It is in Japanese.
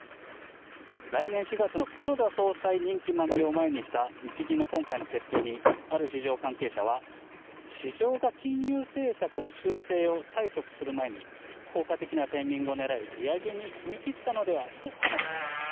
来年４月の黒田総裁の任期満了を前にした日銀の今回の決定に、ある市場関係者は、市場が金融政策の修正を催促する前に、効果的なタイミングを狙い、利上げに踏み切ったのではと話しています。